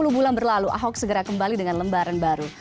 sepuluh bulan berlalu ahok segera kembali dengan lembaran baru